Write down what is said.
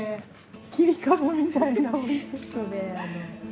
切り株みたいな。